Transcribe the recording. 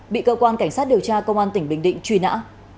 bị cơ quan cảnh sát điều tra công an tỉnh bình định truy nã